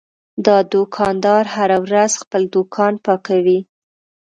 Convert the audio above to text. دا دوکاندار هره ورځ خپل دوکان پاکوي.